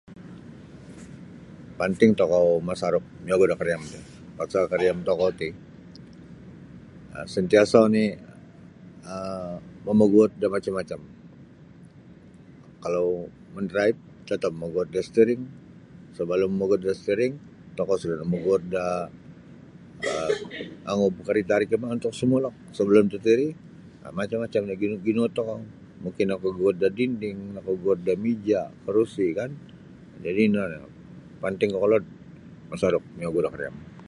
Panting tokou masaruk miogu da kariam ti pasal kariam tokou ti um sentiasa oni um mamaguut da macam-macam kalau mandraib tatap mamaguut da stiring sabalum maguut da stiring tokou suda namaguut da um angub karita ri kimaa sabalum simulok sabalum tatiri macam-macam lagi ginuut tokou mungkin nakaguut da dinding nakaguut da mija karusi kan jadi ino nio panting kokolod masaruk miogu da kariam.